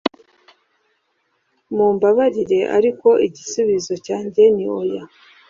Mumbabarire ariko igisubizo cyanjye ni oya